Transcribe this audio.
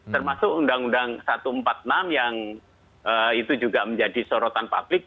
termasuk undang undang satu ratus empat puluh enam yang itu juga menjadi sorotan publik